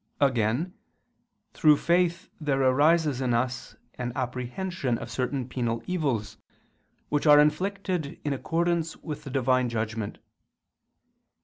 Again, through faith there arises in us an apprehension of certain penal evils, which are inflicted in accordance with the Divine judgment.